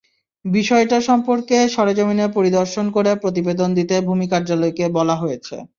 বিষয়টি সম্পর্কে সরেজমিনে পরিদর্শন করে প্রতিবেদন দিতে ভূমি কার্যালয়কে বলা হয়েছে।